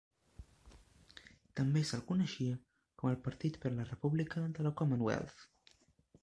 També se'l coneixia com el partit per a la República de la Commonwealth.